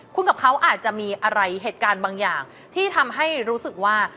คุณกับเขาอาจจะมีอะไรเหตุการณ์บางอย่างที่ทำให้รู้สึกว่า